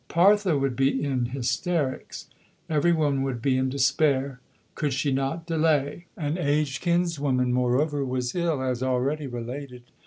"Parthe would be in hysterics." Every one would be in despair. Could she not delay? An aged kinswoman, moreover, was ill, as already related.